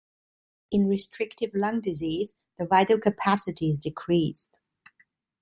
In restrictive lung disease the vital capacity is decreased.